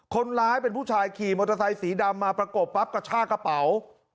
คนร้ายเป็นผู้ชายขี่มอเตอร์ไซสีดำมาประกบปั๊บกระชากระเป๋า